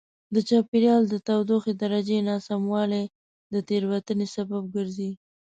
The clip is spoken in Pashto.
د چاپېریال د تودوخې درجې ناسموالی د تېروتنې سبب ګرځي.